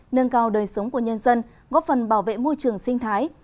nâng cao đời sống của nhân dân góp phần bảo vệ môi trường sinh thái